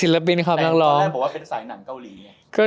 แหมเราเป็นสายอะไร